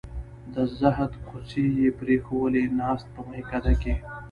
د زهد کوڅې یې پرېښوولې ناست په میکده کې